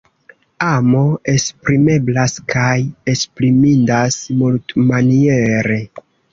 Amo esprimeblas kaj esprimindas multmaniere.